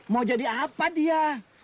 mau jadi apa dia